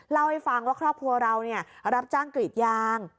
เล่าให้ฟังว่าครอบครัวเรารับจ้างกรีดยาง